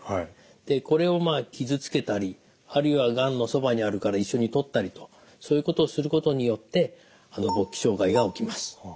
でこれを傷つけたりあるいはがんのそばにあるから一緒に取ったりとそういうことをすることによって勃起障害が起きます。